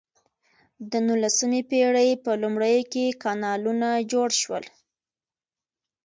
د نولسمې پیړۍ په لومړیو کې کانالونه جوړ شول.